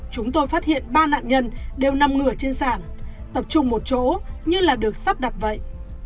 chúng tôi phát hiện ba nạn nhân đều nằm ngửa trên sản tập trung một chỗ như là được sắp đặt vậy